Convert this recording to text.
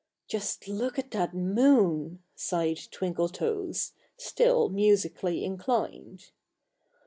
"Just look at that moon!" sighed Twinkletoes, still musically inclined.